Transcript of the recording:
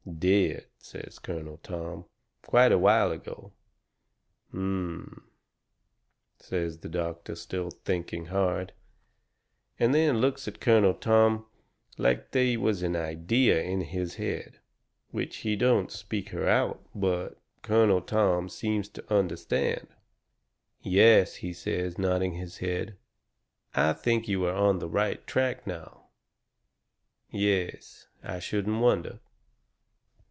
"Dead," says Colonel Tom, "quite a while ago." "H m," says the doctor, still thinking hard. And then looks at Colonel Tom like they was an idea in his head. Which he don't speak her out. But Colonel Tom seems to understand. "Yes," he says, nodding his head. "I think you are on the right track now. Yes I shouldn't wonder."